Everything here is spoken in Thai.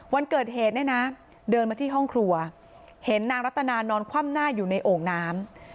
วันเกิดเหตุเนี่ยนะเดินมาที่ห้องครัวเห็นนางรัตนานอนคว่ำหน้าอยู่ในโอ่งน้ำ